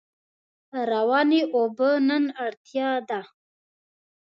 روانې اوبه نن اړتیا ده.